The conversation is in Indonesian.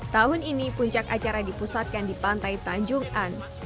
tahun ini puncak acara dipusatkan di pantai tanjungan